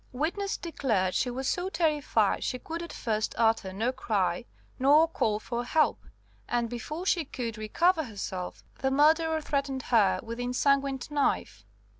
"Witness declared she was so terrified she could at first utter no cry, nor call for help, and before she could recover herself the murderer threatened her with the ensanguined knife.